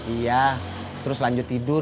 iya terus lanjut tidur